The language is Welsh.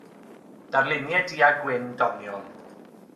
Darluniau du-a-gwyn doniol.